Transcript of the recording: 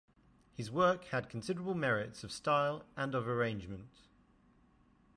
His work had considerable merits of style and of arrangement.